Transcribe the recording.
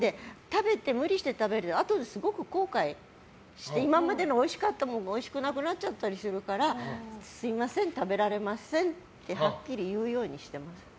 無理して食べるとあとで後悔して今までのおいしかったものがおいしくなくなっちゃったりするからすみません、食べられませんってはっきり言うようにしています。